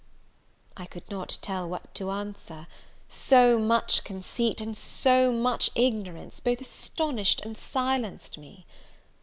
I could not tell what to answer; so much conceit, and so much ignorance, both astonished and silenced me.